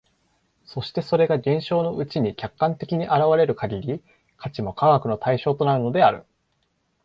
そしてそれが現象のうちに客観的に現れる限り、価値も科学の対象となるのである。